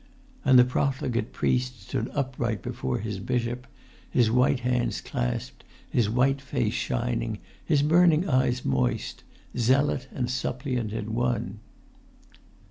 And the profligate priest stood upright before his bishop—his white hands clasped, his white face shin[Pg 76]ing, his burning eyes moist—zealot and suppliant in one.